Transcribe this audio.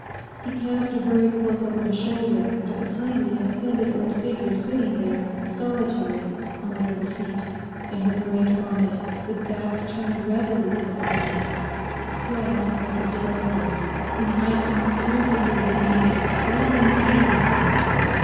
He cast a hurried look over his shoulder at the kindly and offended old figure sitting there, solitary, on the little seat, in her great bonnet, with back turned resolutely upon him—the friend of his dead mother who might have proved in his need a friend indeed to him.